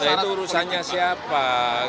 itu urusannya siapa